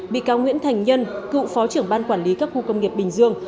bị cáo nguyễn thành nhân cựu phó trưởng ban quản lý các khu công nghiệp bình dương